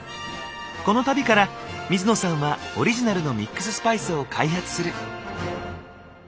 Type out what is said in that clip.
この旅から水野さんはオリジナルのミックススパイスを開発する。